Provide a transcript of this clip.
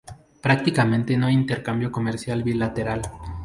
Prácticamente no hay intercambio comercial bilateral.